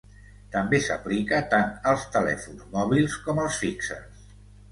També s'aplica tant als telèfons mòbils com als fixes.